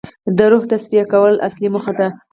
د روح تصفیه کول اصلي موخه ده.